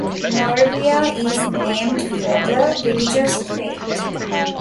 Moravia is named for the religious faith.